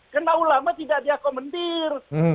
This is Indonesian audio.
karena ulama tidak diakomodir